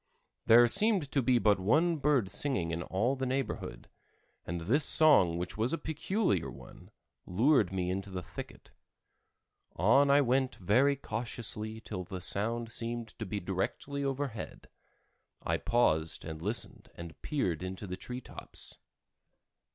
There seemed to be but one bird singing in all the neighborhood, and this song which was a peculiar one, lured me into the thicket. On I went very cautiously till the sound seemed to be directly overhead. I paused and listened and peered into the tree tops.